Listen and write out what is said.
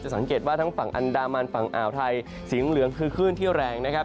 สังเกตว่าทั้งฝั่งอันดามันฝั่งอ่าวไทยสีเหลืองคือคลื่นที่แรงนะครับ